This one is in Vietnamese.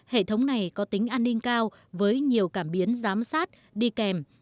hệ thống này có tính an ninh cao với nhiều cảm biến giám sát đi kèm